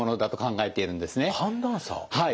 はい。